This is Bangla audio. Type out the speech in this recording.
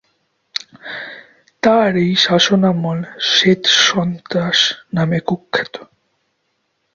তার এই শাসনামল "শ্বেত-সন্ত্রাস" নামে কুখ্যাত।